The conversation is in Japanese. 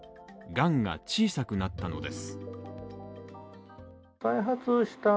がんが小さくなったのです。